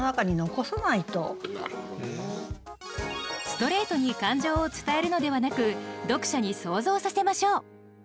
ストレートに感情を伝えるのではなく読者に想像させましょう。